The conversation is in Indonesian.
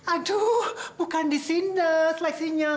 aduh bukan di sini seleksinya